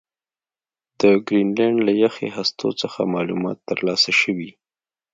د ګرینلنډ له یخي هستو څخه معلومات ترلاسه شوي